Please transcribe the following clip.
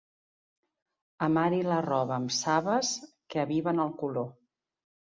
Amari la roba amb sabes que aviven el color.